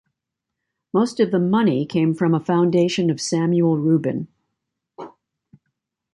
Most of the money came from a foundation of Samuel Rubin.